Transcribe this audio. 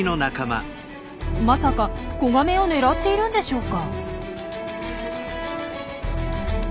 まさか子ガメを狙っているんでしょうか？